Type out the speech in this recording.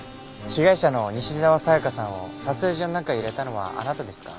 被害者の西沢紗香さんを撮影所の中へ入れたのはあなたですか？